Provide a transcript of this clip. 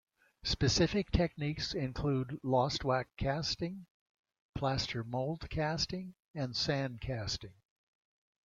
Specific techniques include lost-wax casting, plaster mold casting and sand casting.